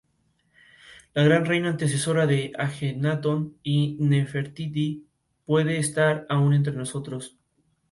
Viendo la oportunidad, Arndt hizo un vídeo recopilatorio de sí mismo haciendo varios ejercicios.